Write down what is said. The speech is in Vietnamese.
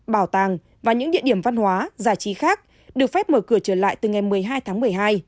bảo tàng và những địa điểm văn hóa giải trí khác được phép mở cửa trở lại từ ngày một mươi hai tháng một mươi hai